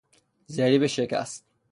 ضریب شکست